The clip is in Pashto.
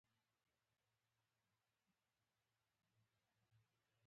دا کلا هم ډيره پخوانۍ ده